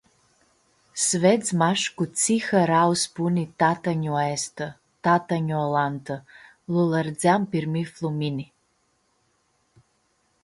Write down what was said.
S-vedz mash cu tsi harau spuni tatã-nju aestã, tatã-nju alantã, lu-lãrdzeam pirmiflu mini.